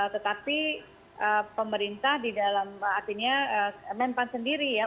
tetapi pemerintah di dalam artinya men pan sendiri